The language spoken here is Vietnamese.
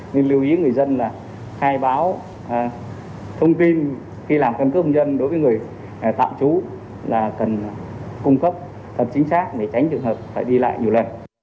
nên lưu ý người dân là khai báo thông tin khi làm căn cước công dân đối với người tạm trú là cần cung cấp thật chính xác để tránh trường hợp phải đi lại nhiều lần